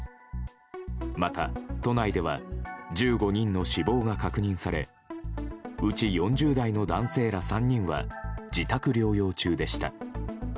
また都内では１５人の死亡が確認されうち４０代の男性ら３人は自宅療養中でした。